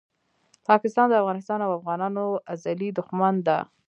پاکستان دافغانستان او افغانانو ازلي دښمن ده